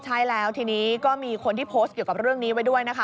ใช่แล้วทีนี้ก็มีคนที่โพสต์เกี่ยวกับเรื่องนี้ไว้ด้วยนะคะ